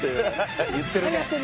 言ってるね。